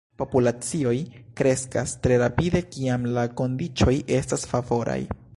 Populacioj kreskas tre rapide kiam la kondiĉoj estas favoraj.